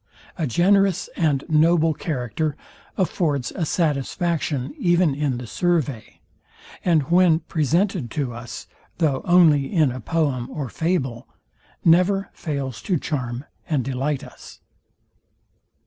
A generous and noble character affords a satisfaction even in the survey; and when presented to us, though only in a poem or fable, never fails to charm and delight us.